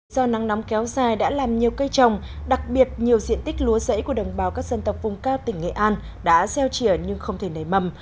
do nắng nóng kéo dài đã làm nhiều cây trồng đặc biệt nhiều diện tích lúa rẫy của đồng bào các dân tộc vùng cao tỉnh nghệ an đã gieo trỉa nhưng không thể nảy mầm